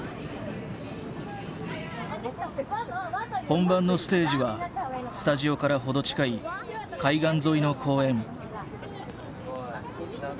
本番のステージはスタジオから程近い海岸沿いの公園。